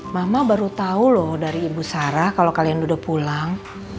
mama baru tahu loh dari ibu sarah kalau kalian udah pulang